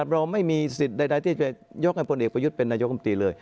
เราไม่มีสิทธิ์ใดที่จะยกให้พลเอกประยุทธ์เป็นนายกรรมตรีเลย